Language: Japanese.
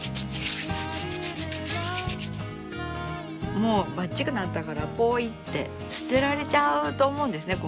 もうばっちくなったからぽいって捨てられちゃうと思うんですね。